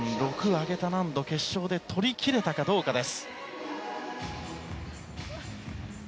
上げた難度を決勝で取り切れたかどうかです。